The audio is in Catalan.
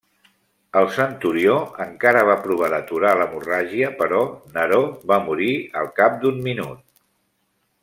El centurió encara va provar d'aturar l'hemorràgia però Neró va morir al cap d'un minut.